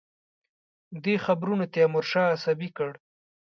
دې خبرونو تیمورشاه عصبي کړ.